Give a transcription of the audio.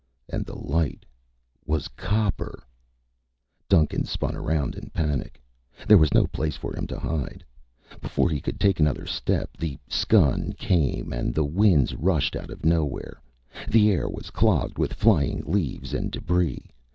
And the light was copper! Duncan spun around in panic. There was no place for him to hide. Before he could take another step, the skun came and the winds rushed out of nowhere. The air was clogged with flying leaves and debris.